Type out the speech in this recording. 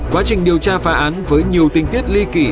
quá trình điều tra phá án với nhiều tình tiết ly kỷ